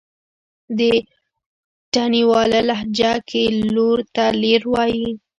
په تڼيواله لهجه کې لور ته لير وايي.